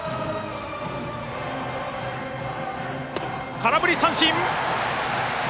空振り三振！